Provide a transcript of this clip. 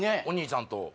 お兄さんと？